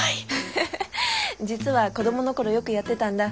フフッ実は子供の頃よくやってたんだ。